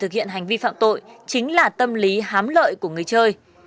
thực hiện hành vi phạm tội chính là tâm lý hám lợi của người chơi